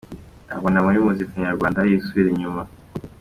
Abona muri muzika nyarwanda hari ibisubira inyuma.